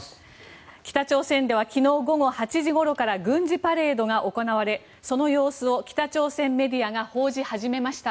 北朝鮮では昨日午後８時ごろから軍事パレードが行われその様子を北朝鮮メディアが報じ始めました。